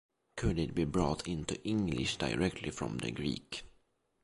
Could it be brought into English directly from the Greek?